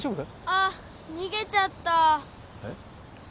あっ逃げちゃったえっ？